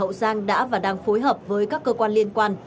cơ quan tỉnh hậu giang đã và đang phối hợp với các cơ quan liên quan